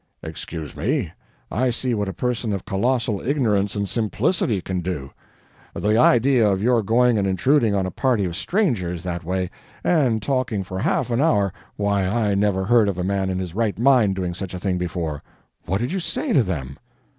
"Excuse me, I see what a person of colossal ignorance and simplicity can do. The idea of your going and intruding on a party of strangers, that way, and talking for half an hour; why I never heard of a man in his right mind doing such a thing before. What did you say to them?"